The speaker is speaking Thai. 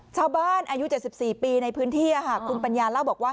ชาวบ้านอายุ๗๔ปีในพื้นที่คุณปัญญาเล่าบอกว่า